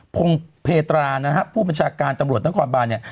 พงศ์เพตรานะครับผู้บัญชาการตำรวจต้องก่อนบ้าน